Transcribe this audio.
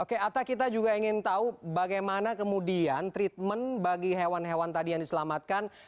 oke atta kita juga ingin tahu bagaimana kemudian treatment bagi hewan hewan tadi yang diselamatkan